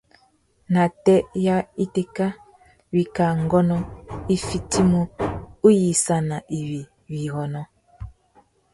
Nātê ya itéka, wikā ngônô i fitimú uyïssana iwí wirrônô.